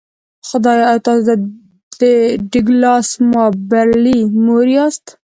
خدایه ایا تاسو د ډګلاس مابرلي مور یاست